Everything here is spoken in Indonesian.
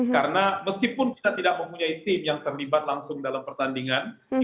karena meskipun kita tidak mempunyai tim yang terlibat langsung dalam pertandingan